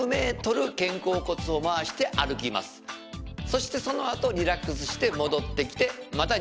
そしてその後リラックスして戻ってきてまた２０ｍ。